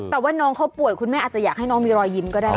แต่ว่าน้องเขาป่วยคุณแม่อาจจะอยากให้น้องมีรอยยิ้มก็ได้